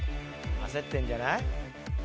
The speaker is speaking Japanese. ・焦ってんじゃない？